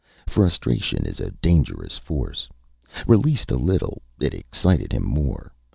Frustration is a dangerous force. Released a little, it excited him more.